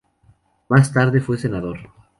Más tarde fue senador.